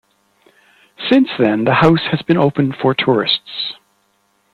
Since then, the house has been open for tourists.